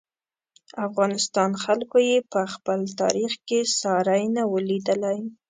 افغانستان خلکو یې په خپل تاریخ کې ساری نه و لیدلی.